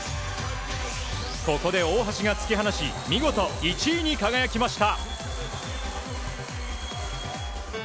ここで大橋が突き放し見事１位に輝きました。